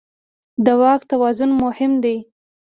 د واک توازن مهم دی.